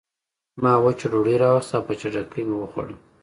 ما وچه ډوډۍ راواخیسته او په چټکۍ مې وخوړه